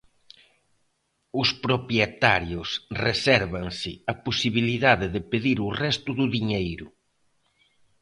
Os propietarios resérvanse a posibilidade de pedir o resto do diñeiro.